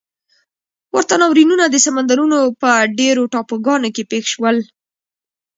ورته ناورینونه د سمندرونو په ډېرو ټاپوګانو کې پېښ شول.